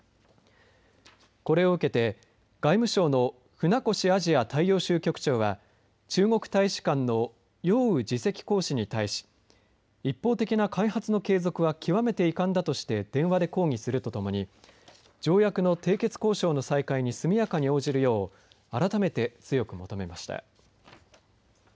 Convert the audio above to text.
これを受けて外務省の船越アジア大洋州局長は中国大使館の楊宇・次席公使に対し一方的な開発の継続は極めて遺憾だとして電話で抗議するとともに条約の締結交渉の再開に速やかに応じるよう改めて強く求めました。